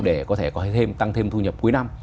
để có thể có thêm tăng thêm thu nhập cuối năm